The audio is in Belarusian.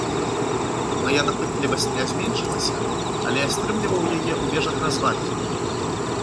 Мая дапытлівасць не зменшылася, але я стрымліваў яе ў межах развагі.